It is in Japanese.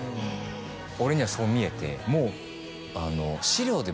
俺にはそう見えてもう。